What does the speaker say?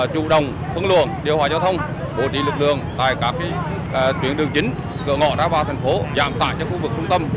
chủ đồng phương luận điều hòa giao thông bộ trị lực lượng tại các tuyến đường chính cửa ngõ đá hoa thành phố giảm tại cho khu vực trung tâm